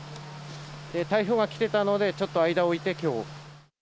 台風が来てたので、ちょっと間をおいてきょう。